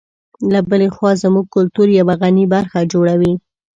له بلې خوا زموږ کلتور یوه غني برخه جوړوي.